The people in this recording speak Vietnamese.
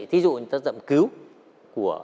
thí dụ như tác phẩm cứu